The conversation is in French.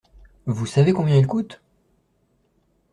Vous savez combien elle coûte ?